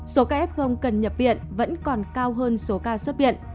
số ca f cần nhập viện vẫn còn cao hơn số ca xuất viện